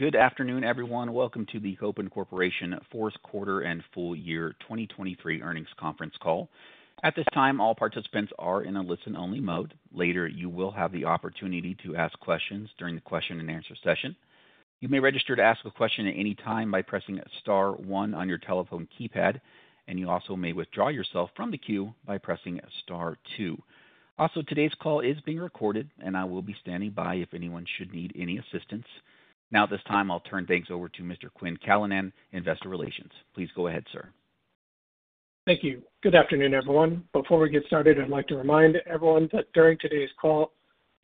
Good afternoon, everyone. Welcome to the Kopin Corporation Fourth Quarter and Full Year 2023 Earnings Conference Call. At this time, all participants are in a listen-only mode. Later, you will have the opportunity to ask questions during the question and answer session. You may register to ask a question at any time by pressing star one on your telephone keypad, and you also may withdraw yourself from the queue by pressing star two. Also, today's call is being recorded, and I will be standing by if anyone should need any assistance. Now, at this time, I'll turn things over to Mr. Quinn Callanan, Investor Relations. Please go ahead, sir. Thank you. Good afternoon, everyone. Before we get started, I'd like to remind everyone that during today's call,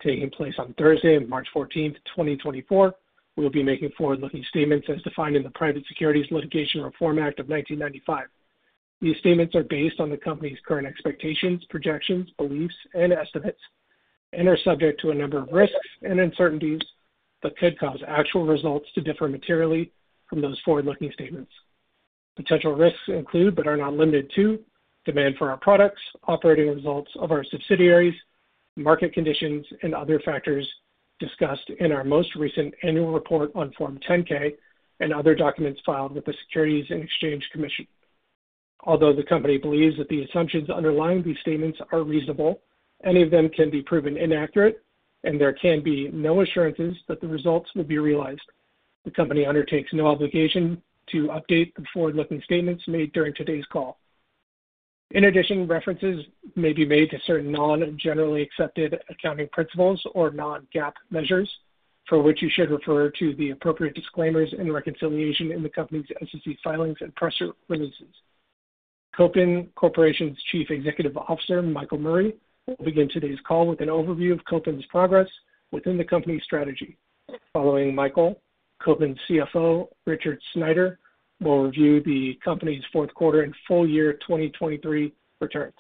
taking place on Thursday, March 14th, 2024, we'll be making forward-looking statements as defined in the Private Securities Litigation Reform Act of 1995. These statements are based on the company's current expectations, projections, beliefs, and estimates, and are subject to a number of risks and uncertainties that could cause actual results to differ materially from those forward-looking statements. Potential risks include but are not limited to demand for our products, operating results of our subsidiaries, market conditions, and other factors discussed in our most recent annual report on Form 10-K and other documents filed with the Securities and Exchange Commission. Although the company believes that the assumptions underlying these statements are reasonable, any of them can be proven inaccurate, and there can be no assurances that the results will be realized. The company undertakes no obligation to update the forward-looking statements made during today's call. In addition, references may be made to certain non-generally accepted accounting principles or non-GAAP measures for which you should refer to the appropriate disclaimers and reconciliation in the company's SEC filings and press releases. Kopin Corporation's Chief Executive Officer, Michael Murray, will begin today's call with an overview of Kopin's progress within the company's strategy. Following Michael, Kopin's CFO, Richard Sneider, will review the company's fourth quarter and full year 2023 returns.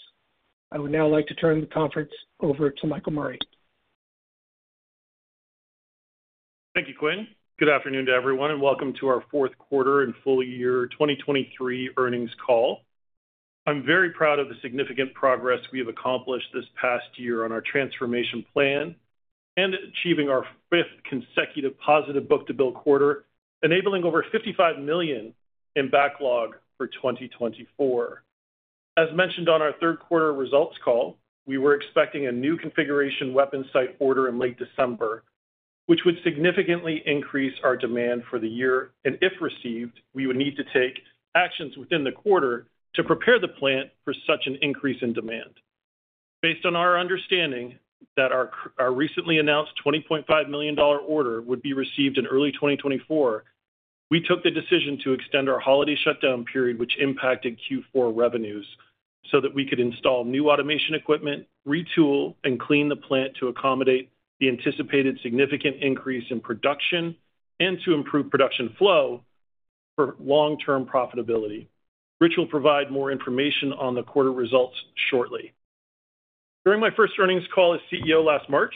I would now like to turn the conference over to Michael Murray. Thank you, Quinn. Good afternoon to everyone, and welcome to our Fourth Quarter and Full Year 2023 Earnings Call. I'm very proud of the significant progress we have accomplished this past year on our transformation plan and achieving our fifth consecutive positive book-to-bill quarter, enabling over $55 million in backlog for 2024. As mentioned on our third quarter results call, we were expecting a new configuration weapon sight order in late December, which would significantly increase our demand for the year, and if received, we would need to take actions within the quarter to prepare the plant for such an increase in demand. Based on our understanding that our recently announced $20.5 million order would be received in early 2024, we took the decision to extend our holiday shutdown period, which impacted Q4 revenues, so that we could install new automation equipment, retool, and clean the plant to accommodate the anticipated significant increase in production and to improve production flow for long-term profitability. Rich will provide more information on the quarter results shortly. During my first earnings call as CEO last March,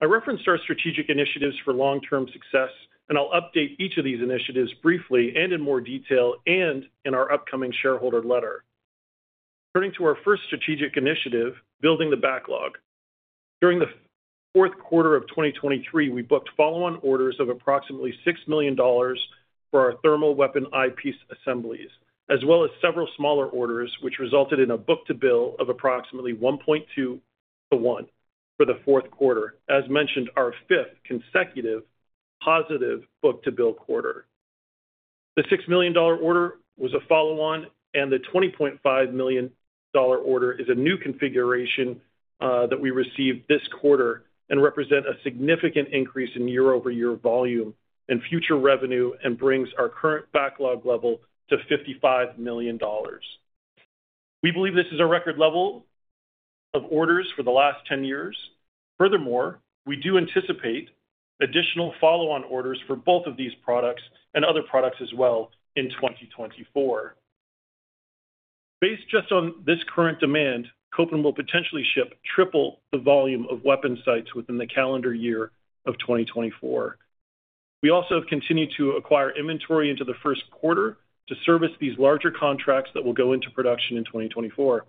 I referenced our strategic initiatives for long-term success, and I'll update each of these initiatives briefly and in more detail and in our upcoming shareholder letter. Turning to our first strategic initiative, building the backlog. During the fourth quarter of 2023, we booked follow-on orders of approximately $6 million for our thermal weapon eyepiece assemblies, as well as several smaller orders, which resulted in a book-to-bill of approximately 1.2:1 for the fourth quarter, as mentioned, our 5th consecutive positive book-to-bill quarter. The $6 million order was a follow-on, and the $20.5 million order is a new configuration that we received this quarter and represents a significant increase in year-over-year volume and future revenue and brings our current backlog level to $55 million. We believe this is a record level of orders for the last 10 years. Furthermore, we do anticipate additional follow-on orders for both of these products and other products as well in 2024. Based just on this current demand, Kopin will potentially ship triple the volume of weapon sights within the calendar year of 2024. We also have continued to acquire inventory into the first quarter to service these larger contracts that will go into production in 2024.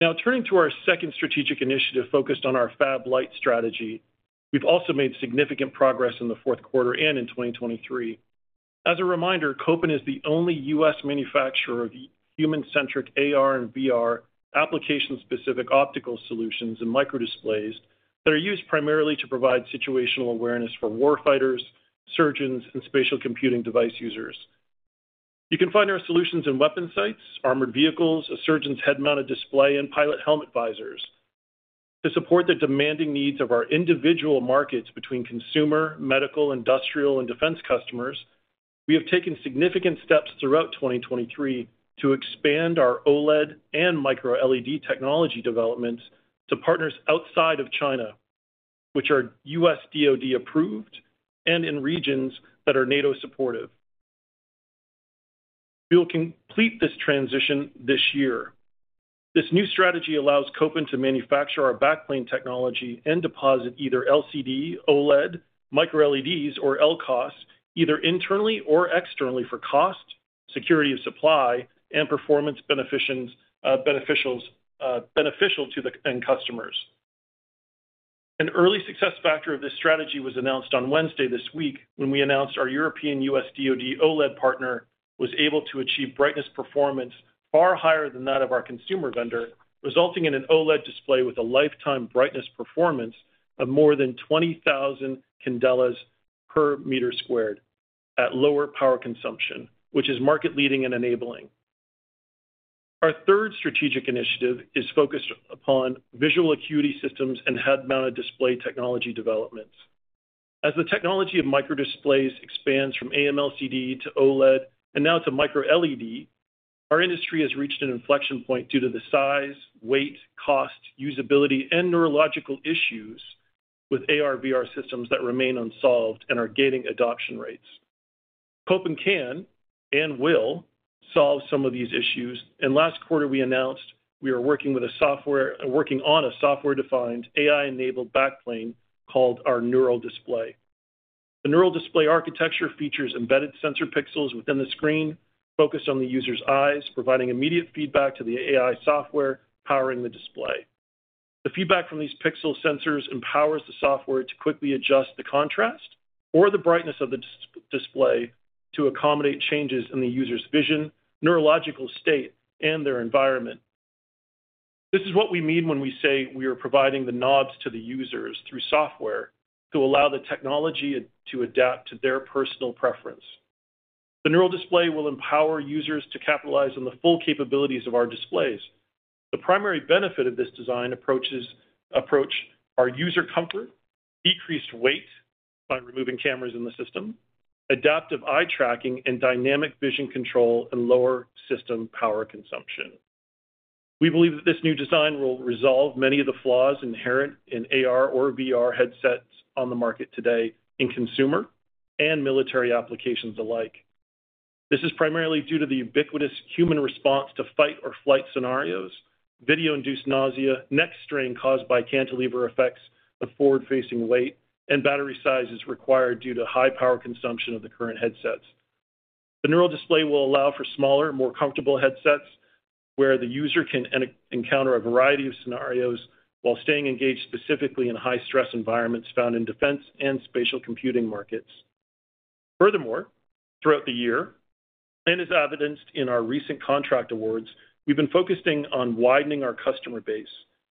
Now, turning to our second strategic initiative focused on our Fab-Lite strategy, we've also made significant progress in the fourth quarter and in 2023. As a reminder, Kopin is the only U.S. manufacturer of human-centric AR/VR application-specific optical solutions and microdisplays that are used primarily to provide situational awareness for warfighters, surgeons, and spatial computing device users. You can find our solutions in weapon sights, armored vehicles, a surgeon's head-mounted display, and pilot helmet visors. To support the demanding needs of our individual markets between consumer, medical, industrial, and defense customers, we have taken significant steps throughout 2023 to expand our OLED and micro-LED technology developments to partners outside of China, which are U.S. DoD-approved and in regions that are NATO-supportive. We will complete this transition this year. This new strategy allows Kopin to manufacture our backplane technology and deposit either LCD, OLED, micro-LEDs, or LCOS either internally or externally for cost, security of supply, and performance benefits to the end customers. An early success factor of this strategy was announced on Wednesday this week when we announced our European U.S. DoD OLED partner was able to achieve brightness performance far higher than that of our consumer vendor, resulting in an OLED display with a lifetime brightness performance of more than 20,000 candelas per meter squared at lower power consumption, which is market-leading and enabling. Our third strategic initiative is focused upon visual acuity systems and head-mounted display technology developments. As the technology of microdisplays expands from AMLCD to OLED and now to micro-LED, our industry has reached an inflection point due to the size, weight, cost, usability, and neurological issues with AR/VR systems that remain unsolved and are gaining adoption rates. Kopin can and will solve some of these issues. In last quarter, we announced we are working on a software-defined AI-enabled backplane called our NeuralDisplay. The NeuralDisplay architecture features embedded sensor pixels within the screen focused on the user's eyes, providing immediate feedback to the AI software powering the display. The feedback from these pixel sensors empowers the software to quickly adjust the contrast or the brightness of the display to accommodate changes in the user's vision, neurological state, and their environment. This is what we mean when we say we are providing the knobs to the users through software to allow the technology to adapt to their personal preference. The NeuralDisplay will empower users to capitalize on the full capabilities of our displays. The primary benefit of this design approach is approach our user comfort, decreased weight by removing cameras in the system, adaptive eye tracking, and dynamic vision control and lower system power consumption. We believe that this new design will resolve many of the flaws inherent in AR/VR headsets on the market today in consumer and military applications alike. This is primarily due to the ubiquitous human response to fight or flight scenarios, video-induced nausea, neck strain caused by cantilever effects, the forward-facing weight, and battery sizes required due to high power consumption of the current headsets. The NeuralDisplay will allow for smaller, more comfortable headsets where the user can encounter a variety of scenarios while staying engaged specifically in high-stress environments found in defense and spatial computing markets. Furthermore, throughout the year, and as evidenced in our recent contract awards, we've been focusing on widening our customer base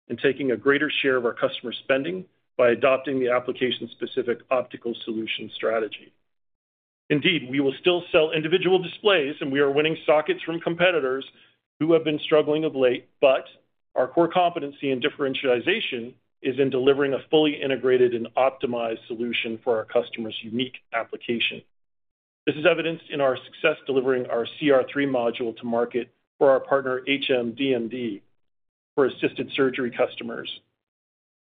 and taking a greater share of our customer spending by adopting the application-specific optical solution strategy. Indeed, we will still sell individual displays, and we are winning sockets from competitors who have been struggling of late, but our core competency and differentiation is in delivering a fully integrated and optimized solution for our customer's unique application. This is evidenced in our success delivering our CR3 module to market for our partner HMDmd for assisted surgery customers.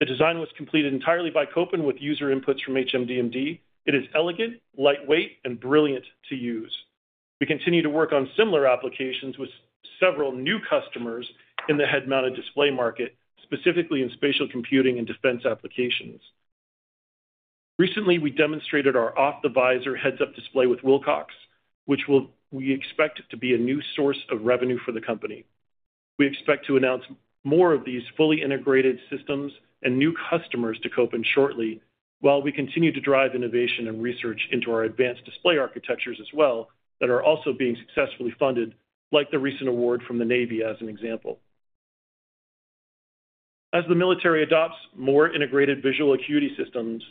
The design was completed entirely by Kopin with user inputs from HMDmd. It is elegant, lightweight, and brilliant to use. We continue to work on similar applications with several new customers in the head-mounted display market, specifically in spatial computing and defense applications. Recently, we demonstrated our off-the-visor heads-up display with Wilcox, which we expect to be a new source of revenue for the company. We expect to announce more of these fully integrated systems and new customers to Kopin shortly while we continue to drive innovation and research into our advanced display architectures which are also being successfully funded, like the recent award from the Navy as an example. As the military adopts more integrated visual acuity systems,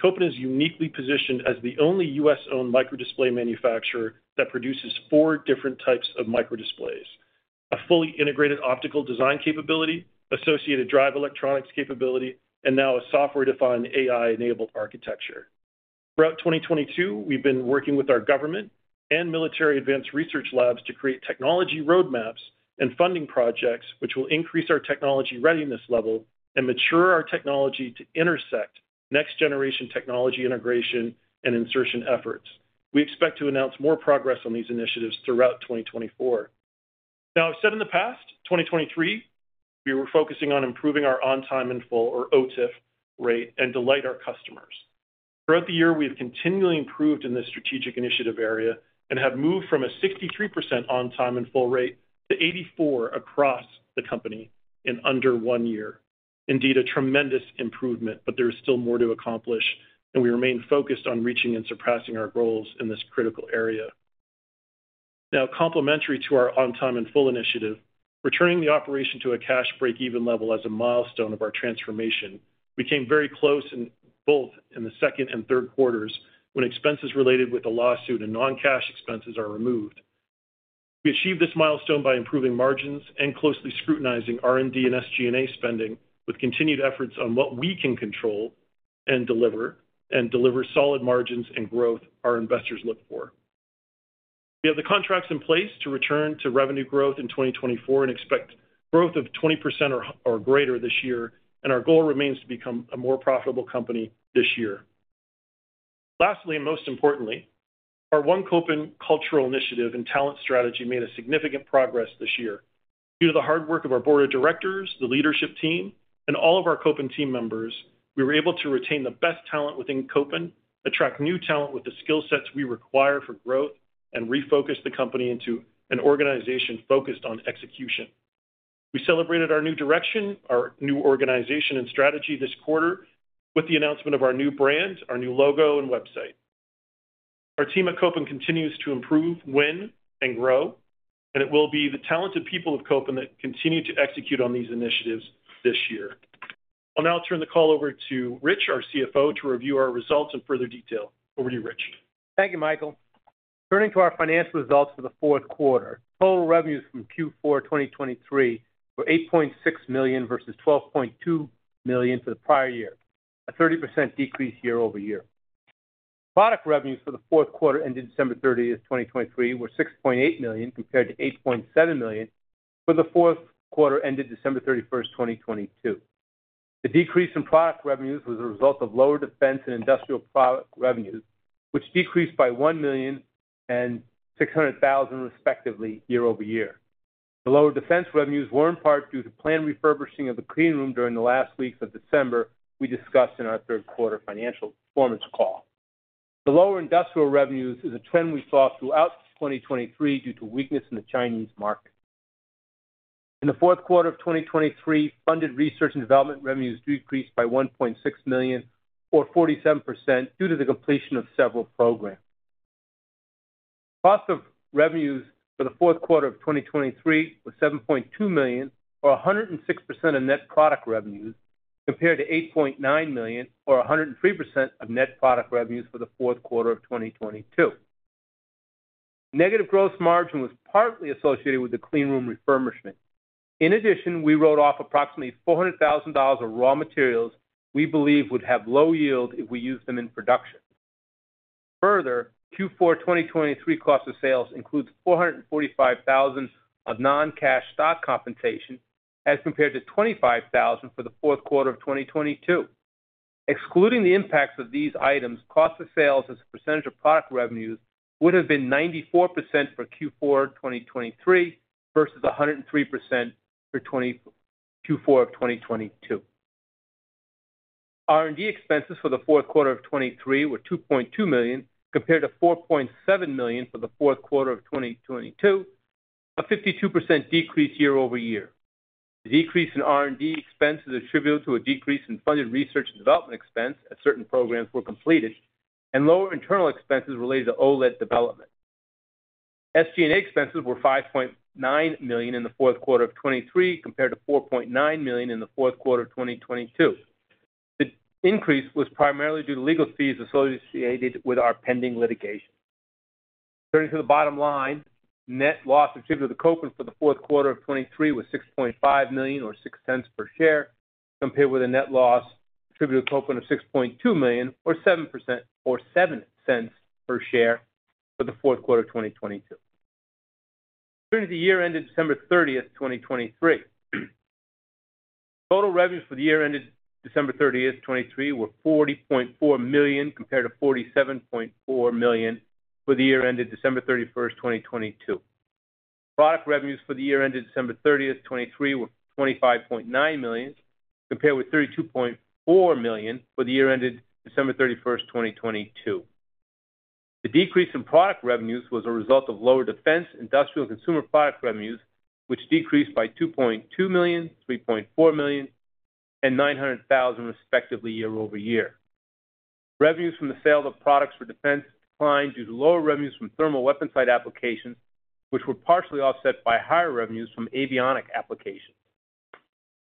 Kopin is uniquely positioned as the only U.S.-owned microdisplay manufacturer that produces four different types of microdisplays: a fully integrated optical design capability, associated drive electronics capability, and now a software-defined AI-enabled architecture. Throughout 2022, we've been working with our government and military advanced research labs to create technology roadmaps and funding projects, which will increase our technology readiness level and mature our technology to intersect next-generation technology integration and insertion efforts. We expect to announce more progress on these initiatives throughout 2024. Now, I've said in the past, 2023, we were focusing on improving our on-time and full, or OTIF, rate and delight our customers. Throughout the year, we have continually improved in this strategic initiative area and have moved from a 63% on-time and full rate to 84% across the company in under one year. Indeed, a tremendous improvement, but there is still more to accomplish, and we remain focused on reaching and surpassing our goals in this critical area. Now, complementary to our on-time and full initiative, returning the operation to a cash break-even level as a milestone of our transformation, we came very close both in the second and third quarters when expenses related with the lawsuit and non-cash expenses are removed. We achieved this milestone by improving margins and closely scrutinizing R&D and SG&A spending with continued efforts on what we can control and deliver and deliver solid margins and growth our investors look for. We have the contracts in place to return to revenue growth in 2024 and expect growth of 20% or greater this year, and our goal remains to become a more profitable company this year. Lastly, and most importantly, our One Kopin cultural initiative and talent strategy made a significant progress this year. Due to the hard work of our board of directors, the leadership team, and all of our Kopin team members, we were able to retain the best talent within Kopin, attract new talent with the skill sets we require for growth, and refocus the company into an organization focused on execution. We celebrated our new direction, our new organization and strategy this quarter with the announcement of our new brand, our new logo, and website. Our team at Kopin continues to improve, win, and grow, and it will be the talented people of Kopin that continue to execute on these initiatives this year. I'll now turn the call over to Rich, our CFO, to review our results in further detail. Over to you, Rich. Thank you, Michael. Turning to our financial results for the fourth quarter, total revenues from Q4 2023 were $8.6 million versus $12.2 million for the prior year, a 30% decrease year-over-year. Product revenues for the fourth quarter ended December 30th, 2023, were $6.8 million compared to $8.7 million for the fourth quarter ended December 31st, 2022. The decrease in product revenues was a result of lower defense and industrial product revenues, which decreased by $1 million and $600,000, respectively, year-over-year. The lower defense revenues were in part due to plan refurbishing of the clean room during the last weeks of December we discussed in our third quarter financial performance call. The lower industrial revenues is a trend we saw throughout 2023 due to weakness in the Chinese market. In the fourth quarter of 2023, funded research and development revenues decreased by $1.6 million, or 47%, due to the completion of several programs. Cost of revenues for the fourth quarter of 2023 was $7.2 million, or 106% of net product revenues, compared to $8.9 million, or 103% of net product revenues for the fourth quarter of 2022. Negative gross margin was partly associated with the clean room refurbishment. In addition, we wrote off approximately $400,000 of raw materials we believe would have low yield if we used them in production. Further, Q4 2023 cost of sales includes $445,000 of non-cash stock compensation as compared to $25,000 for the fourth quarter of 2022. Excluding the impacts of these items, cost of sales as a percentage of product revenues would have been 94% for Q4 2023 versus 103% for Q4 of 2022. R&D expenses for the fourth quarter of 2023 were $2.2 million compared to $4.7 million for the fourth quarter of 2022, a 52% decrease year-over-year. The decrease in R&D expenses attributed to a decrease in funded research and development expense as certain programs were completed and lower internal expenses related to OLED development. SG&A expenses were $5.9 million in the fourth quarter of 2023 compared to $4.9 million in the fourth quarter of 2022. The increase was primarily due to legal fees associated with our pending litigation. Turning to the bottom line, net loss attributed to Kopin for the fourth quarter of 2023 was $6.5 million, or $0.06 per share, compared with a net loss attributed to Kopin of $6.2 million, or $0.07 per share for the fourth quarter of 2022. Turning to the year ended December 30th, 2023, total revenues for the year ended December 30th, 2023 were $40.4 million compared to $47.4 million for the year ended December 31st, 2022. Product revenues for the year ended December 30th, 2023 were $25.9 million compared with $32.4 million for the year ended December 31st, 2022. The decrease in product revenues was a result of lower defense, industrial, and consumer product revenues, which decreased by $2.2 million, $3.4 million, and $900,000 respectively year-over-year. Revenues from the sale of products for defense declined due to lower revenues from thermal weapon sight applications, which were partially offset by higher revenues from avionics applications.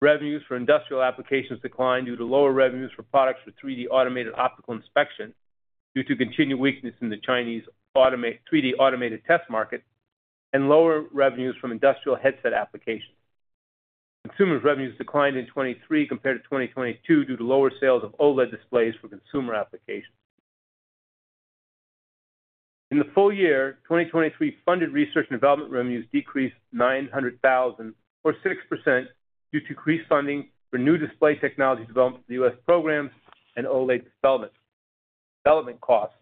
Revenues for industrial applications declined due to lower revenues for products for 3D automated optical inspection due to continued weakness in the Chinese 3D automated test market and lower revenues from industrial headset applications. Consumer revenues declined in 2023 compared to 2022 due to lower sales of OLED displays for consumer applications. In the full year, 2023 funded research and development revenues decreased $900,000, or 6%, due to increased funding for new display technology development for the U.S. programs and OLED development costs,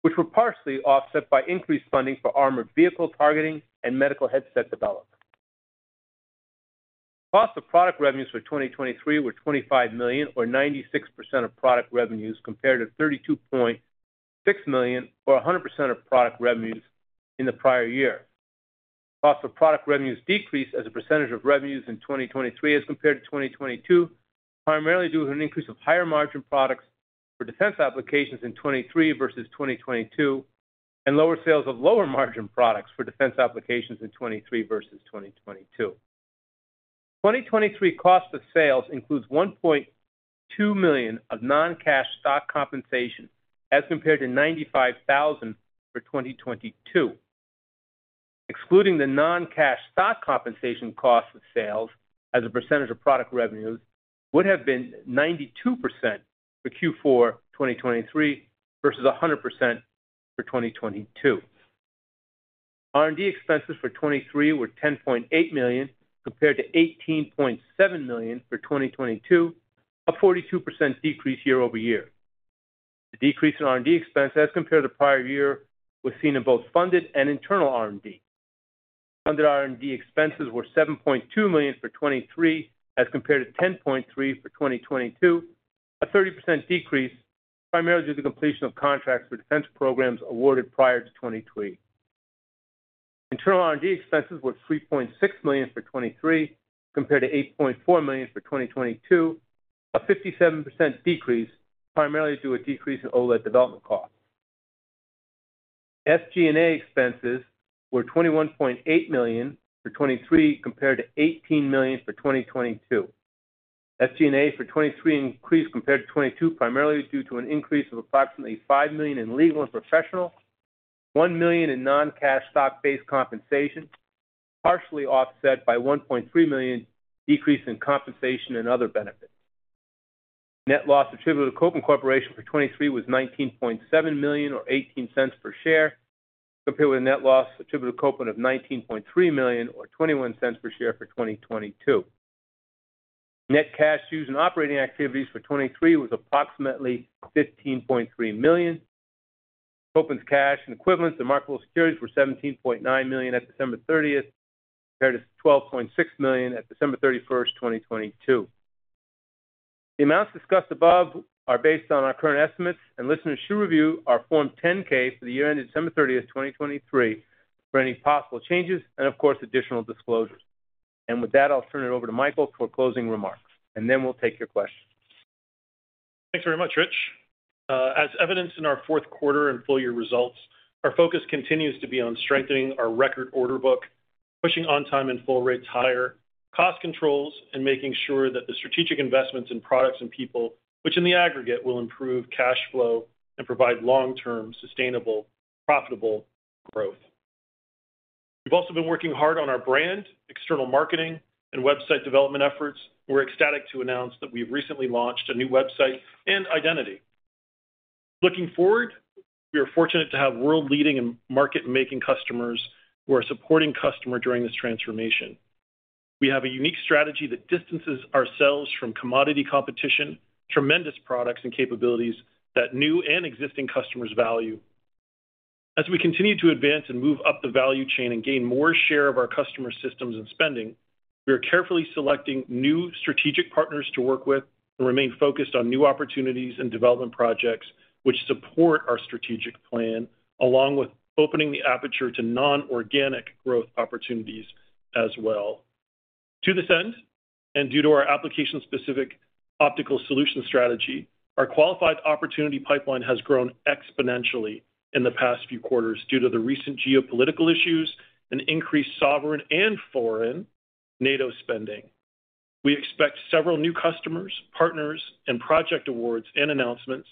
which were partially offset by increased funding for armored vehicle targeting and medical headset development. Cost of product revenues for 2023 were $25 million, or 96% of product revenues compared to $32.6 million, or 100% of product revenues in the prior year. Cost of product revenues decreased as a percentage of revenues in 2023 as compared to 2022, primarily due to an increase of higher margin products for defense applications in 2023 versus 2022 and lower sales of lower margin products for defense applications in 2023 versus 2022. 2023 cost of sales includes $1.2 million of non-cash stock compensation as compared to $95,000 for 2022. Excluding the non-cash stock compensation cost of sales as a percentage of product revenues would have been 92% for Q4 2023 versus 100% for 2022. R&D expenses for 2023 were $10.8 million compared to $18.7 million for 2022, a 42% decrease year-over-year. The decrease in R&D expense as compared to the prior year was seen in both funded and internal R&D. Funded R&D expenses were $7.2 million for 2023 as compared to $10.3 million for 2022, a 30% decrease primarily due to the completion of contracts for defense programs awarded prior to 2023. Internal R&D expenses were $3.6 million for 2023 compared to $8.4 million for 2022, a 57% decrease primarily due to a decrease in OLED development costs. SG&A expenses were $21.8 million for 2023 compared to $18 million for 2022. SG&A for 2023 increased compared to 2022 primarily due to an increase of approximately $5 million in legal and professional, $1 million in non-cash stock-based compensation, partially offset by $1.3 million decrease in compensation and other benefits. Net loss attributed to Kopin Corporation for 2023 was $19.7 million, or $0.18 per share compared with a net loss attributed to Kopin of $19.3 million, or $0.21 per share for 2022. Net cash used in operating activities for 2023 was approximately $15.3 million. Kopin's cash and equivalents, marketable securities, were $17.9 million at December 30th compared to $12.6 million at December 31st, 2022. The amounts discussed above are based on our current estimates, and listeners should review our Form 10-K for the year ended December 30th, 2023, for any possible changes and, of course, additional disclosures. With that, I will turn it over to Michael for closing remarks, and then we will take your questions. Thanks very much, Rich. As evidenced in our fourth quarter and full year results, our focus continues to be on strengthening our record order book, pushing on-time and full rates higher, cost controls, and making sure that the strategic investments in products and people, which in the aggregate will improve cash flow and provide long-term sustainable, profitable growth. We have also been working hard on our brand, external marketing, and website development efforts, and we are ecstatic to announce that we have recently launched a new website and identity. Looking forward, we are fortunate to have world-leading and market-making customers who are supporting customer during this transformation. We have a unique strategy that distances ourselves from commodity competition, tremendous products and capabilities that new and existing customers value. As we continue to advance and move up the value chain and gain more share of our customer systems and spending, we are carefully selecting new strategic partners to work with and remain focused on new opportunities and development projects that support our strategic plan, along with opening the aperture to non-organic growth opportunities as well. To this end, and due to our application-specific optical solution strategy, our qualified opportunity pipeline has grown exponentially in the past few quarters due to the recent geopolitical issues and increased sovereign and foreign NATO spending. We expect several new customers, partners, and project awards and announcements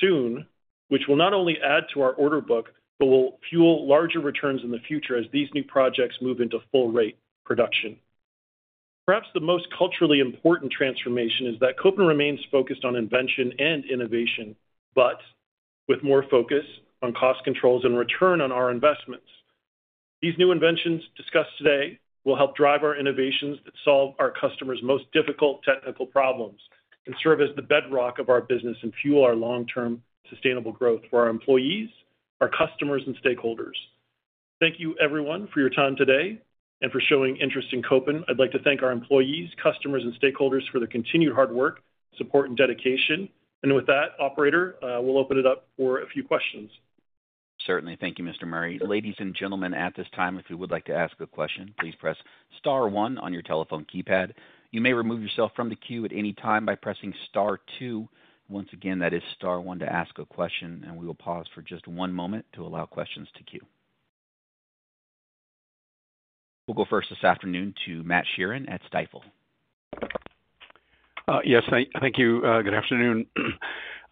soon, which will not only add to our order book but will fuel larger returns in the future as these new projects move into full-rate production. Perhaps the most culturally important transformation is that Kopin remains focused on invention and innovation, but with more focus on cost controls and return on our investments. These new inventions discussed today will help drive our innovations that solve our customers' most difficult technical problems and serve as the bedrock of our business and fuel our long-term sustainable growth for our employees, our customers, and stakeholders. Thank you, everyone, for your time today and for showing interest in Kopin. I'd like to thank our employees, customers, and stakeholders for their continued hard work, support, and dedication. And with that, operator, we will open it up for a few questions. Certainly. Thank you, Mr. Murray. Ladies and gentlemen, at this time, if you would like to ask a question, please press star one on your telephone keypad. You may remove yourself from the queue at any time by pressing star two. Once again, that is star one to ask a question, and we will pause for just one moment to allow questions to queue. We will go first this afternoon to Matthew Sheerin at Stifel. Yes, thank you. Good afternoon.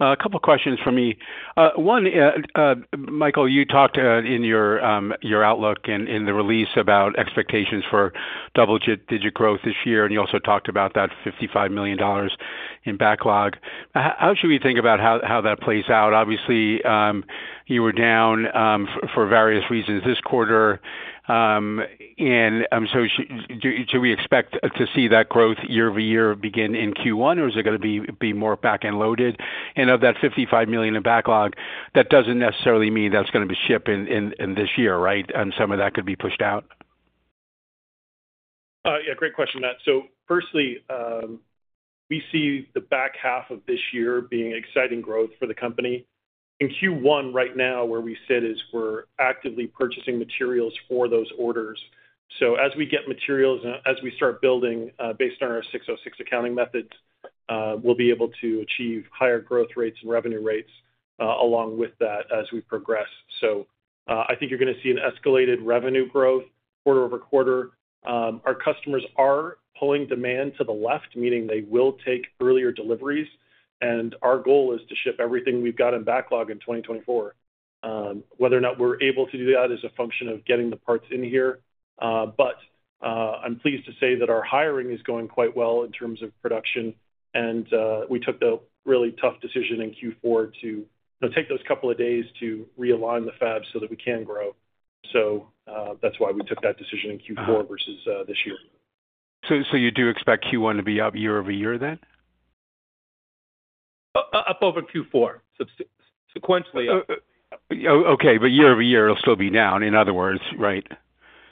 A couple of questions from me. One, Michael, you talked in your outlook in the release about expectations for double-digit growth this year, and you also talked about that $55 million in backlog. How should we think about how that plays out? Obviously, you were down for various reasons this quarter, and so should we expect to see that growth year-over-year begin in Q1, or is it going to be more back-loaded? And of that $55 million in backlog, that doesn't necessarily mean that's going to be shipped in this year, right? And some of that could be pushed out. Yeah, great question, Matt. Firstly, we see the back half of this year being exciting growth for the company. In Q1 right now, where we sit is we're actively purchasing materials for those orders. So as we get materials and as we start building based on our 606 accounting methods, we'll be able to achieve higher growth rates and revenue rates along with that as we progress. So I think you're going to see an escalated revenue growth quarter-over-quarter. Our customers are pulling demand to the left, meaning they will take earlier deliveries. Our goal is to ship everything we've got in backlog in 2024. Whether or not we're able to do that is a function of getting the parts in here. But I'm pleased to say that our hiring is going quite well in terms of production, and we took the really tough decision in Q4 to take those couple of days to realign the fabs so that we can grow. So that's why we took that decision in Q4 versus this year. So you do expect Q1 to be up year-over-year then? Up over Q4, sequentially up. Okay, but year-over-year, it'll still be down, in other words, right?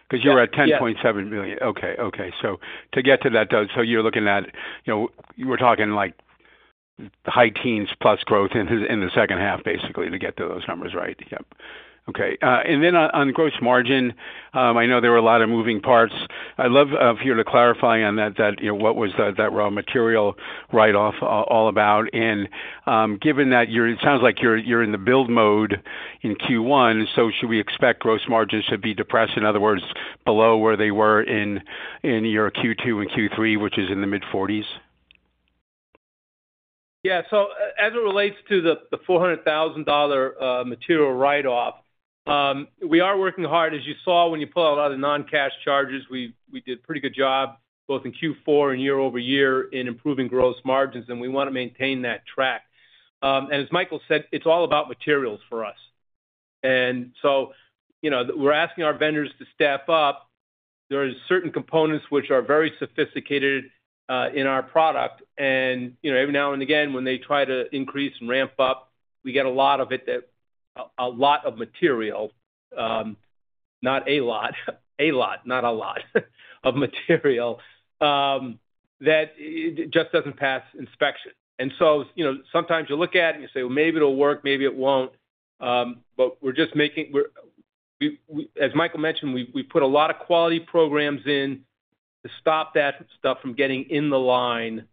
Because you were at $10.7 million. Okay, okay. So to get to that, though, so you're looking at you were talking high teens plus growth in the second half, basically, to get to those numbers, right? Yep. Okay. And then on gross margin, I know there were a lot of moving parts. I'd love for you to clarify on that, what was that raw material write-off all about? Given that it sounds like you're in the build mode in Q1, so should we expect gross margins to be depressed, in other words, below where they were in year Q2 and Q3, which is in the mid-40s? Yeah, so as it relates to the $400,000 material write-off, we are working hard. As you saw when you pulled out all the non-cash charges, we did a pretty good job both in Q4 and year-over-year in improving gross margins, and we want to maintain that track. And as Michael said, it's all about materials for us. And so we're asking our vendors to step up. There are certain components which are very sophisticated in our product, and every now and again, when they try to increase and ramp up, we get a lot of material that just doesn't pass inspection. And so sometimes you look at it and you say, "Well, maybe it'll work, maybe it won't." But we're just making as Michael mentioned, we put a lot of quality programs in to stop that stuff from getting in the line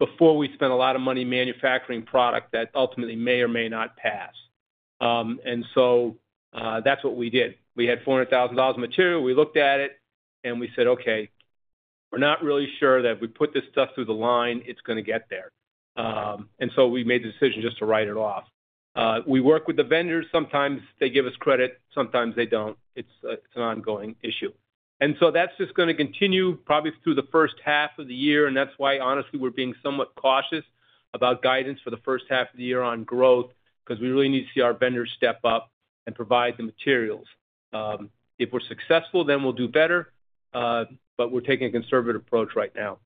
before we spend a lot of money manufacturing product that ultimately may or may not pass. And so that's what we did. We had $400,000 of material. We looked at it, and we said, "Okay, we're not really sure that if we put this stuff through the line, it's going to get there." And so we made the decision just to write it off. We work with the vendors. Sometimes they give us credit. Sometimes they don't. It's an ongoing issue. And so that's just going to continue probably through the first half of the year, and that's why, honestly, we're being somewhat cautious about guidance for the first half of the year on growth because we really need to see our vendors step up and provide the materials. If we're successful, then we'll do better, but we're taking a conservative approach right now.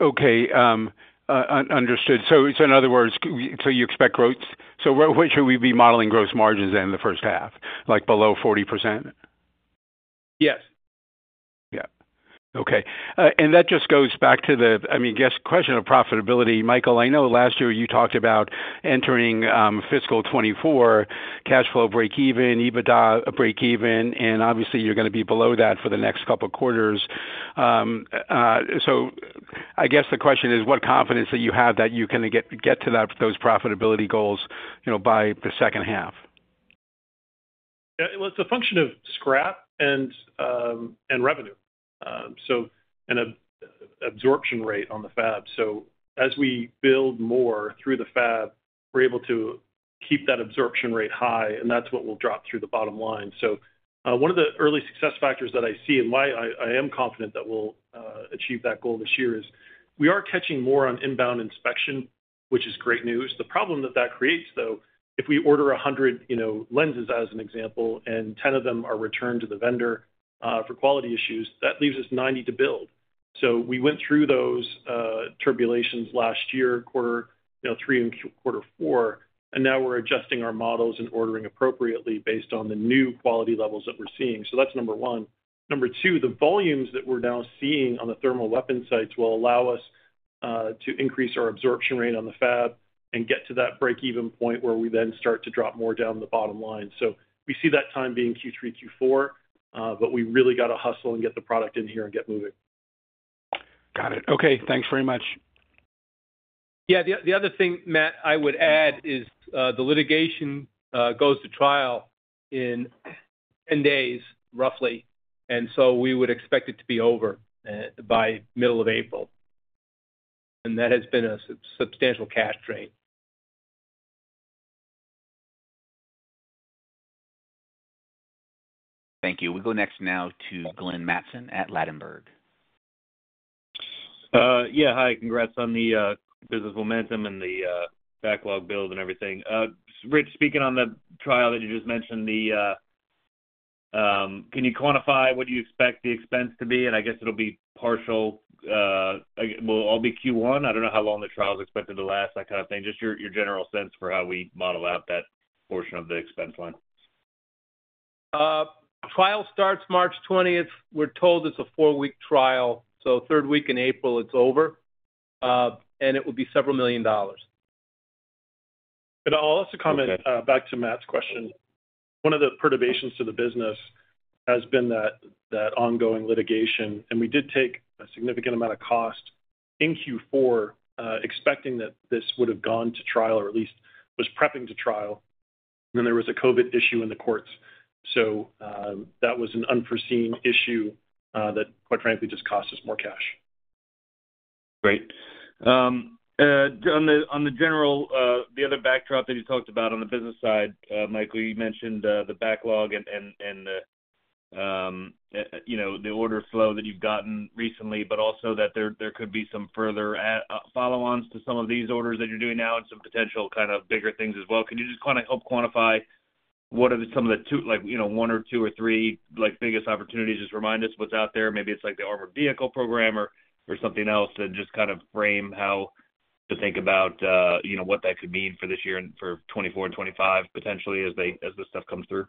Okay, understood. So in other words, so you expect growth. So where should we be modeling gross margins in the first half, like below 40%? Yes. That just goes back to the, I mean, guest question of profitability. Michael, I know last year you talked about entering fiscal 2024, cash flow break-even, EBITDA break-even, and obviously, you're going to be below that for the next couple of quarters. So I guess the question is, what confidence do you have that you can get to those profitability goals by the second half? Yeah, well, it's a function of scrap and revenue and absorption rate on the fab. So as we build more through the fab, we're able to keep that absorption rate high, and that's what will drop through the bottom line. So one of the early success factors that I see and why I am confident that we'll achieve that goal this year is we are catching more on inbound inspection, which is great news. The problem that that creates, though, if we order 100 lenses, as an example, and 10 of them are returned to the vendor for quality issues, that leaves us 90 to build. So we went through those tribulations last year, quarter three and quarter four, and now we're adjusting our models and ordering appropriately based on the new quality levels that we're seeing. So that's number one. Number two, the volumes that we're now seeing on the thermal weapon sights will allow us to increase our absorption rate on the fab and get to that break-even point where we then start to drop more down the bottom line. So we see that time being Q3, Q4, but we really got to hustle and get the product in here and get moving. Got it. Okay, thanks very much. Yeah, the other thing, Matt, I would add is the litigation goes to trial in 10 days, roughly, and so we would expect it to be over by middle of April. And that has been a substantial cash drain. Thank you. We go next now to Glenn Mattson at Ladenburg. Yeah, hi. Congrats on the business momentum and the backlog build and everything. Rich, speaking on the trial that you just mentioned, can you quantify what do you expect the expense to be? And I guess it'll be partial. Will all be Q1? I don't know how long the trial is expected to last, that kind of thing, just your general sense for how we model out that portion of the expense line. Trial starts March 20th. We're told it's a 4-week trial. So third week in April, it's over, and it would be $several million. I'll also comment back to Matt's question. One of the perturbations to the business has been that ongoing litigation, and we did take a significant amount of cost in Q4 expecting that this would have gone to trial or at least was prepping to trial. And then there was a COVID issue in the courts. So that was an unforeseen issue that, quite frankly, just cost us more cash. Great. On the general, the other backdrop that you talked about on the business side, Michael, you mentioned the backlog and the order flow that you've gotten recently, but also that there could be some further follow-ons to some of these orders that you're doing now and some potential kind of bigger things as well. Can you just kind of help quantify what are some of the one or two or three biggest opportunities? Just remind us what's out there. Maybe it's the armored vehicle program or something else to just kind of frame how to think about what that could mean for this year and for 2024 and 2025, potentially, as this stuff comes through.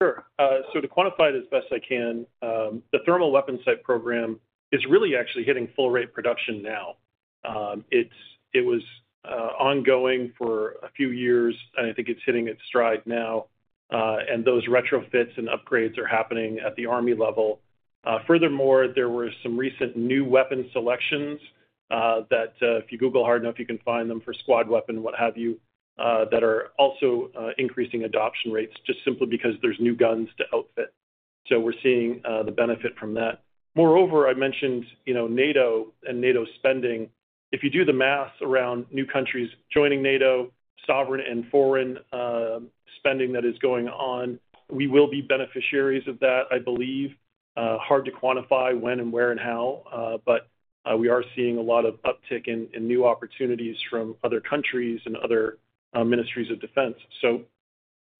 Sure. So to quantify it as best I can, the thermal weapon sight program is really actually hitting full-rate production now. It was ongoing for a few years, and I think it's hitting its stride now. And those retrofits and upgrades are happening at the Army level. Furthermore, there were some recent new weapon selections that if you Google hard, know if you can find them for squad weapon and what have you, that are also increasing adoption rates just simply because there's new guns to outfit. So we're seeing the benefit from that. Moreover, I mentioned NATO and NATO spending. If you do the math around new countries joining NATO, sovereign and foreign spending that is going on, we will be beneficiaries of that, I believe. Hard to quantify when and where and how, but we are seeing a lot of uptick in new opportunities from other countries and other ministries of defense. So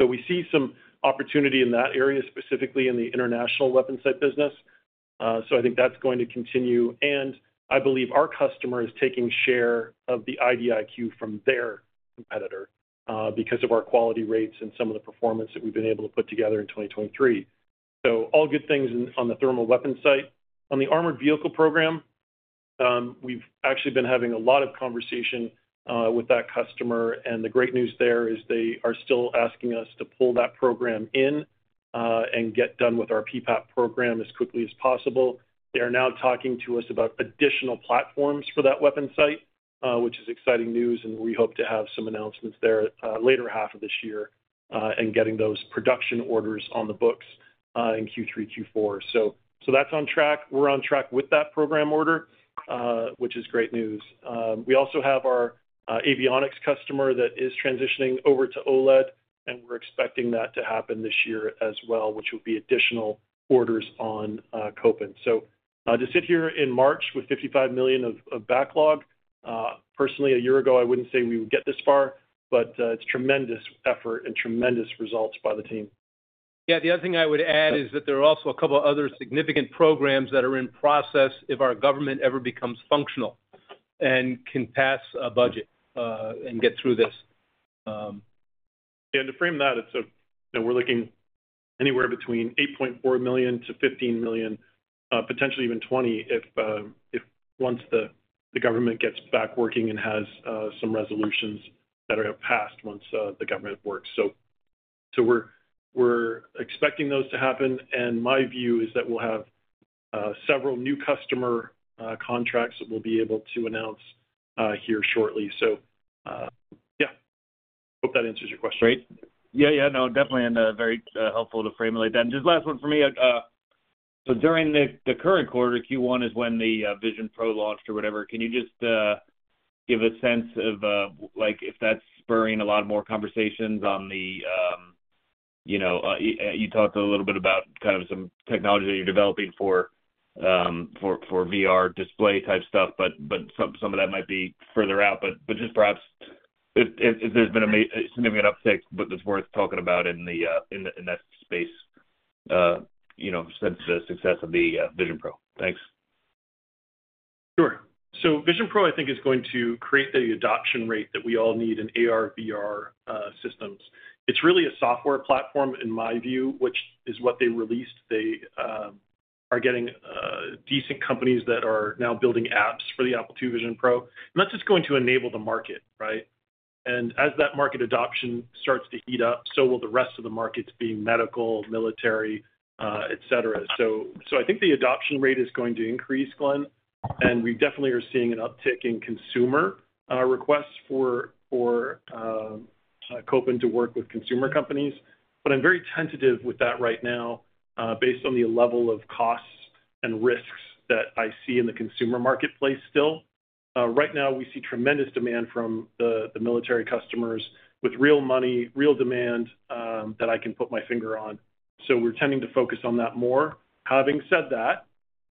we see some opportunity in that area, specifically in the international weapon sight business. So I think that's going to continue. And I believe our customer is taking share of the IDIQ from their competitor because of our quality rates and some of the performance that we've been able to put together in 2023. So all good things on the thermal weapon sight. On the armored vehicle program, we've actually been having a lot of conversation with that customer, and the great news there is they are still asking us to pull that program in and get done with our PPAP program as quickly as possible. They are now talking to us about additional platforms for that weapon sight, which is exciting news, and we hope to have some announcements there later half of this year and getting those production orders on the books in Q3, Q4. So that's on track. We're on track with that program order, which is great news. We also have our avionics customer that is transitioning over to OLED, and we're expecting that to happen this year as well, which will be additional orders on Kopin. So to sit here in March with $55 million of backlog, personally, a year ago, I wouldn't say we would get this far, but it's tremendous effort and tremendous results by the team. Yeah, the other thing I would add is that there are also a couple of other significant programs that are in process if our government ever becomes functional and can pass a budget and get through this. Yeah, and to frame that, we're looking anywhere between $8.4 million to $15 million, potentially even $20 million if once the government gets back working and has some resolutions that are passed once the government works. So we're expecting those to happen, and my view is that we'll have several new customer contracts that we'll be able to announce here shortly. So yeah, hope that answers your question. Great. No, definitely very helpful to frame it like that. Just last one for me. So during the current quarter, Q1 is when the Apple Vision Pro launched or whatever. Can you just give a sense of if that's spurring a lot more conversations on the, you talked a little bit about kind of some technology that you're developing for VR display type stuff, but some of that might be further out. But just perhaps if there's been a significant uptick that's worth talking about in that space since the success of the Apple Vision Pro. Thanks. Sure. Apple Vision Pro, I think, is going to create the adoption rate that we all need in AR/VR systems. It's really a software platform, in my view, which is what they released. They are getting decent companies that are now building apps for the Apple Vision Pro. And that's just going to enable the market, right? As that market adoption starts to heat up, so will the rest of the markets being medical, military, etc. So I think the adoption rate is going to increase, Glenn. And we definitely are seeing an uptick in consumer requests for Kopin to work with consumer companies. But I'm very tentative with that right now based on the level of costs and risks that I see in the consumer marketplace still. Right now, we see tremendous demand from the military customers with real money, real demand that I can put my finger on. So we're tending to focus on that more. Having said that,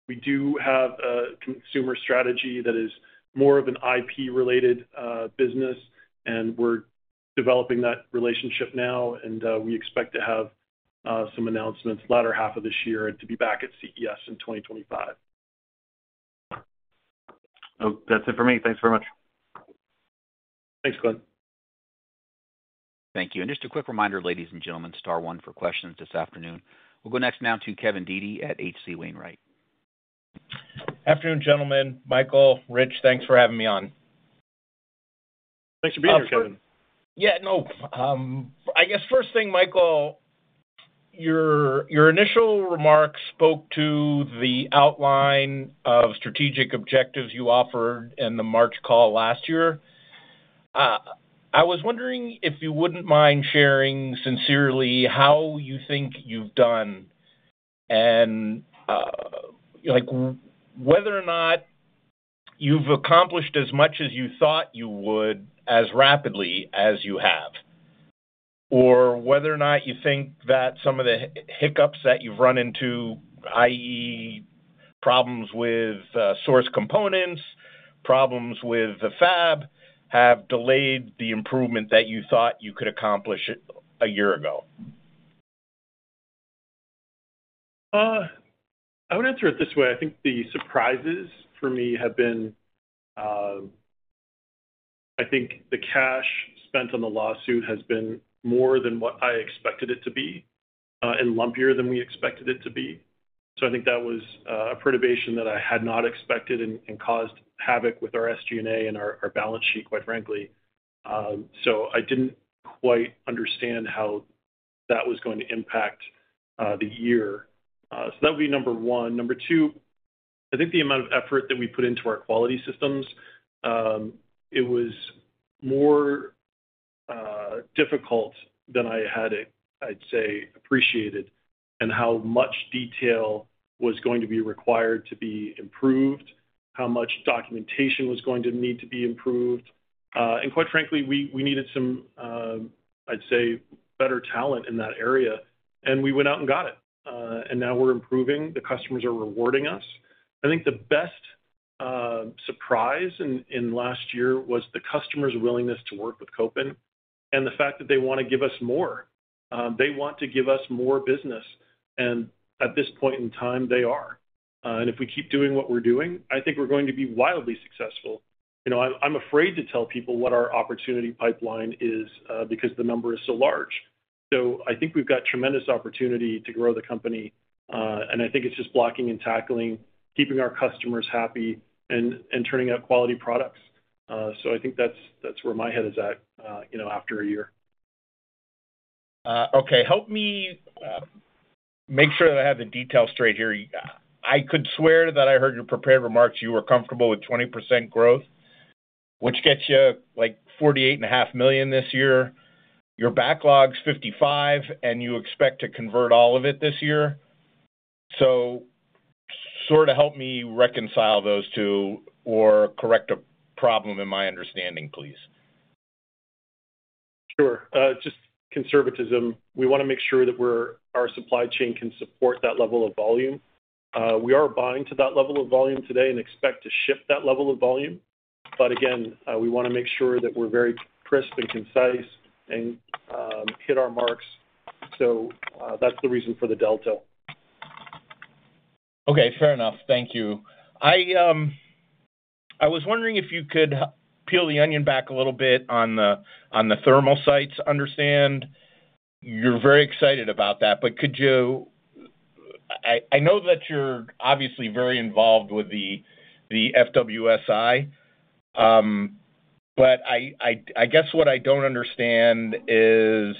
we do have a consumer strategy that is more of an IP-related business, and we're developing that relationship now. And we expect to have some announcements latter half of this year to be back at CES in 2025. That's it for me. Thanks very much. Thanks, Glenn. Thank you. And just a quick reminder, ladies and gentlemen, star one for questions this afternoon. We'll go next now to Kevin Dede at H.C. Wainwright. Afternoon, gentlemen. Michael, Rich, thanks for having me on. Thanks for being here, Kevin. Yeah, no. I guess first thing, Michael, your initial remarks spoke to the outline of strategic objectives you offered in the March call last year. I was wondering if you wouldn't mind sharing sincerely how you think you've done and whether or not you've accomplished as much as you thought you would as rapidly as you have or whether or not you think that some of the hiccups that you've run into, i.e., problems with source components, problems with the fab, have delayed the improvement that you thought you could accomplish a year ago. I would answer it this way. I think the surprises for me have been I think the cash spent on the lawsuit has been more than what I expected it to be and lumpier than we expected it to be. So I think that was a perturbation that I had not expected and caused havoc with our SG&A and our balance sheet, quite frankly. So I didn't quite understand how that was going to impact the year. So that would be number one. Number two, I think the amount of effort that we put into our quality systems, it was more difficult than I had, I'd say, appreciated in how much detail was going to be required to be improved, how much documentation was going to need to be improved. And quite frankly, we needed some, I'd say, better talent in that area, and we went out and got it. And now we're improving. The customers are rewarding us. I think the best surprise in last year was the customer's willingness to work with Kopin and the fact that they want to give us more. They want to give us more business. And at this point in time, they are. And if we keep doing what we're doing, I think we're going to be wildly successful. I'm afraid to tell people what our opportunity pipeline is because the number is so large. So I think we've got tremendous opportunity to grow the company, and I think it's just blocking and tackling, keeping our customers happy, and turning out quality products. So I think that's where my head is at after a year. Okay, help me make sure that I have the details straight here. I could swear that I heard your prepared remarks. You were comfortable with 20% growth, which gets you $48.5 million this year. Your backlog is $55 million, and you expect to convert all of it this year. So sort of help me reconcile those two or correct a problem in my understanding, please. Sure. Just conservatism. We want to make sure that our supply chain can support that level of volume. We are buying to that level of volume today and expect to ship that level of volume. But again, we want to make sure that we're very crisp and concise and hit our marks. So that's the reason for the delta. Okay, fair enough. Thank you. I was wondering if you could peel the onion back a little bit on the thermal sights. Understand you're very excited about that, but could you? I know that you're obviously very involved with the FWS-I, but I guess what I don't understand is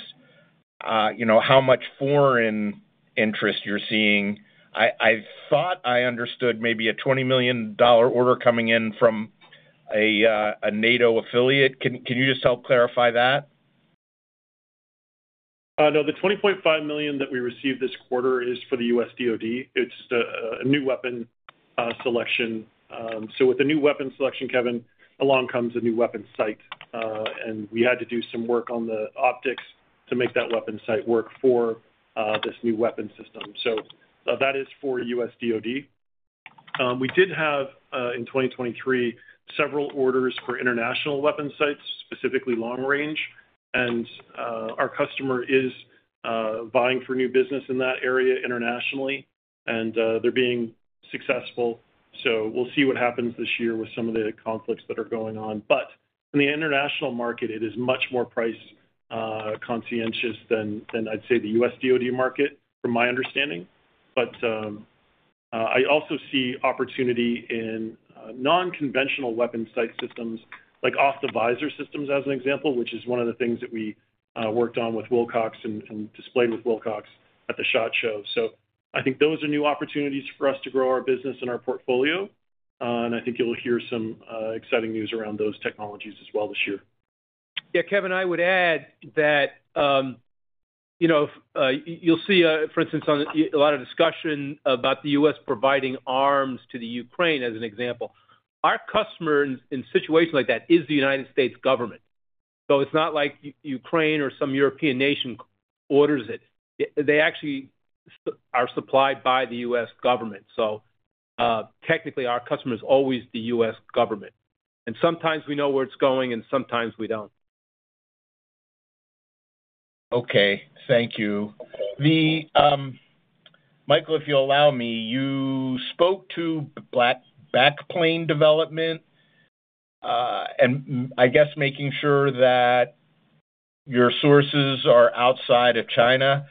how much foreign interest you're seeing. I thought I understood maybe a $20 million order coming in from a NATO affiliate. Can you just help clarify that? No, the $20.5 million that we received this quarter is for the U.S. DoD. It's a new weapon selection. So with the new weapon selection, Kevin, along comes a new weapon sight. And we had to do some work on the optics to make that weapon sight work for this new weapon system. So that is for U.S. DoD. We did have, in 2023, several orders for international weapon sights, specifically long range. And our customer is vying for new business in that area internationally, and they're being successful. So we'll see what happens this year with some of the conflicts that are going on. But in the international market, it is much more price-conscious than, I'd say, the U.S. DoD market, from my understanding. But I also see opportunity in non-conventional weapon sight systems like off-the-visor systems, as an example, which is one of the things that we worked on with Wilcox and displayed with Wilcox at the SHOT Show. So I think those are new opportunities for us to grow our business and our portfolio. And I think you'll hear some exciting news around those technologies as well this year. Yeah, Kevin, I would add that you'll see, for instance, a lot of discussion about the U.S. providing arms to Ukraine, as an example. Our customer in situations like that is the United States government. So it's not like Ukraine or some European nation orders it. They actually are supplied by the U.S. government. So technically, our customer is always the U.S. government. And sometimes we know where it's going, and sometimes we don't. Okay, thank you. Michael, if you'll allow me, you spoke to backplane development and I guess making sure that your sources are outside of China.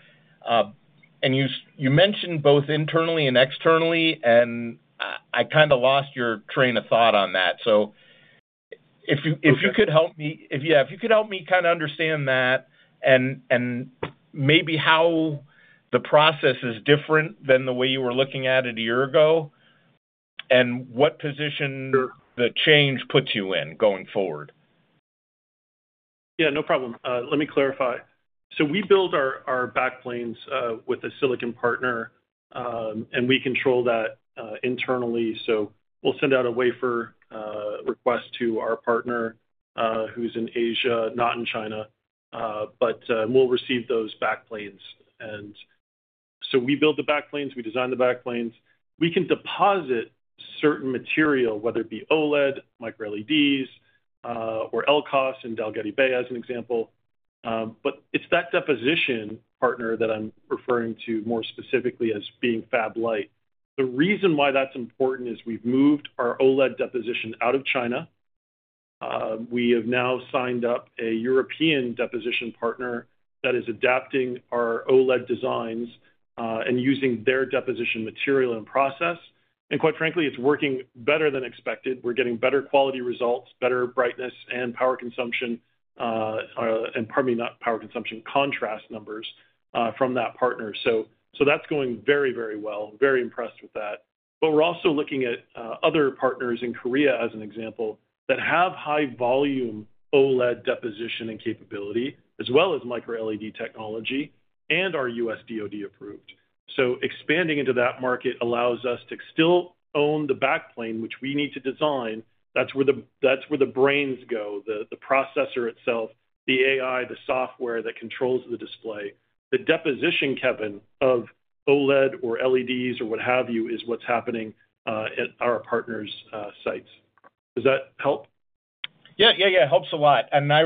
And you mentioned both internally and externally, and I kind of lost your train of thought on that. So if you could help me yeah, if you could help me kind of understand that and maybe how the process is different than the way you were looking at it a year ago and what position the change puts you in going forward. Yeah, no problem. Let me clarify. So we build our backplanes with a silicon partner, and we control that internally. So we'll send out a wafer request to our partner who's in Asia, not in China. But we'll receive those backplanes. And so we build the backplanes. We design the backplanes. We can deposit certain material, whether it be OLED, micro-LEDs, or LCOS and DLP TV, as an example. But it's that deposition partner that I'm referring to more specifically as being Fab-Lite. The reason why that's important is we've moved our OLED deposition out of China. We have now signed up a European deposition partner that is adapting our OLED designs and using their deposition material and process. And quite frankly, it's working better than expected. We're getting better quality results, better brightness, and power consumption, and pardon me, not power consumption, contrast numbers from that partner. So that's going very, very well. Very impressed with that. But we're also looking at other partners in Korea, as an example, that have high-volume OLED deposition and capability as well as micro-LED technology and are U.S. DoD approved. So expanding into that market allows us to still own the backplane, which we need to design. That's where the brains go, the processor itself, the AI, the software that controls the display. The deposition, Kevin, of OLED or LEDs or what have you is what's happening at our partner's sites. Does that help? Yeah, yeah, yeah, it helps a lot. And I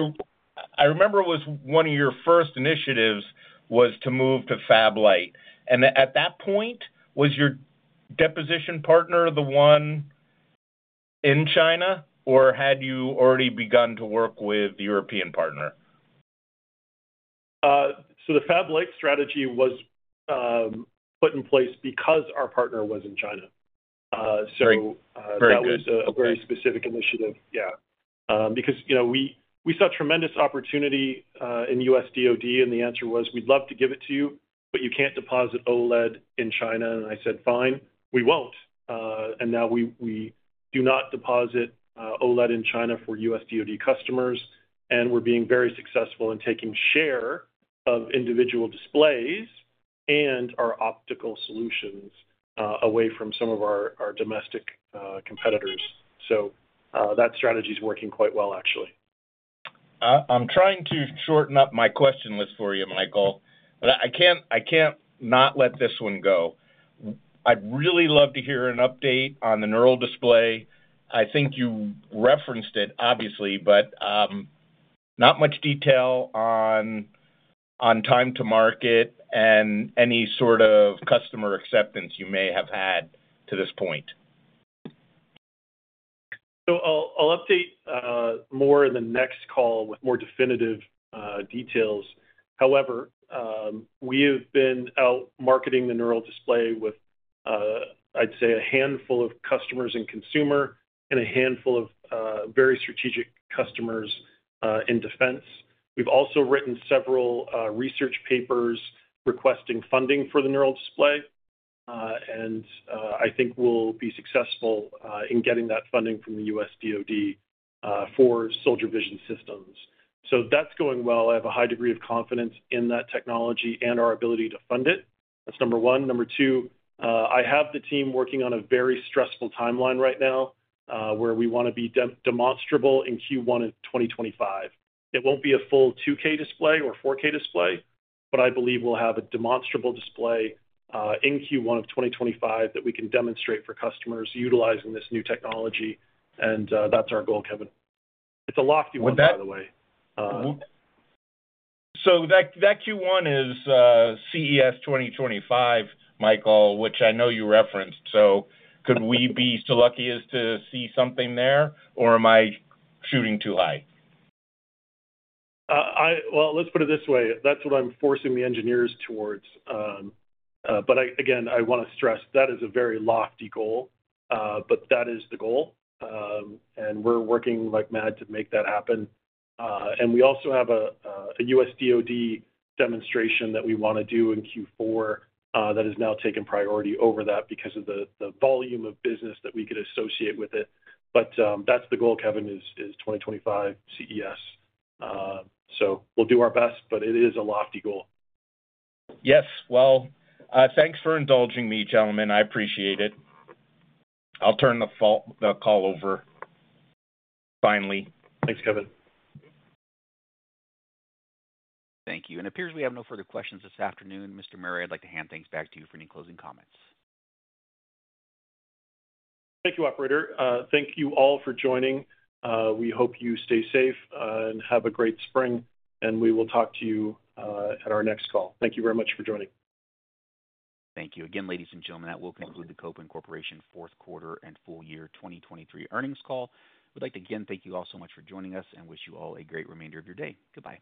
remember it was one of your first initiatives was to move to Fab-Lite. And at that point, was your deposition partner the one in China, or had you already begun to work with the European partner? So the Fab-Lite strategy was put in place because our partner was in China. So that was a very specific initiative, yeah, because we saw tremendous opportunity in U.S. DoD. And the answer was, "We'd love to give it to you, but you can't deposit OLED in China." And I said, "Fine, we won't." And now we do not deposit OLED in China for U.S. DoD customers. And we're being very successful in taking share of individual displays and our optical solutions away from some of our domestic competitors. So that strategy is working quite well, actually. I'm trying to shorten up my question list for you, Michael, but I can't not let this one go. I'd really love to hear an update on the NeuralDisplay. I think you referenced it, obviously, but not much detail on time to market and any sort of customer acceptance you may have had to this point. So I'll update more in the next call with more definitive details. However, we have been out marketing the NeuralDisplay with, I'd say, a handful of customers in consumer and a handful of very strategic customers in defense. We've also written several research papers requesting funding for the NeuralDisplay. And I think we'll be successful in getting that funding from the U.S. DoD for soldier vision systems. So that's going well. I have a high degree of confidence in that technology and our ability to fund it. That's number one. Number two, I have the team working on a very stressful timeline right now where we want to be demonstrable in Q1 of 2025. It won't be a full 2K display or 4K display, but I believe we'll have a demonstrable display in Q1 of 2025 that we can demonstrate for customers utilizing this new technology. And that's our goal, Kevin. It's a lofty one, by the way. So that Q1 is CES 2025, Michael, which I know you referenced. So could we be so lucky as to see something there, or am I shooting too high? Well, let's put it this way. That's what I'm forcing the engineers towards. But again, I want to stress that is a very lofty goal, but that is the goal. And we're working like mad to make that happen. And we also have a U.S. DoD demonstration that we want to do in Q4 that has now taken priority over that because of the volume of business that we could associate with it. But that's the goal, Kevin, is 2025 CES. So we'll do our best, but it is a lofty goal. Yes. Well, thanks for indulging me, gentlemen. I appreciate it. I'll turn the call over finally. Thanks, Kevin. Thank you. It appears we have no further questions this afternoon. Mr. Murray, I'd like to hand things back to you for any closing comments. Thank you, operator. Thank you all for joining. We hope you stay safe and have a great spring, and we will talk to you at our next call. Thank you very much for joining. Thank you. Again, ladies and gentlemen, that will conclude the Kopin Corporation Fourth Quarter and Full Year 2023 Earnings Call. We'd like to again thank you all so much for joining us and wish you all a great remainder of your day. Goodbye.